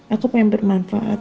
aku pengen bermanfaat